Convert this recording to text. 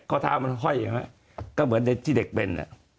ข้อเท้ามันห้อยอย่างนั้นก็เหมือนที่เด็กเป็น